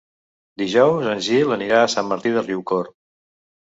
Dijous en Gil anirà a Sant Martí de Riucorb.